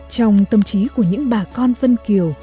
trong tâm trí của những bà con vân kiều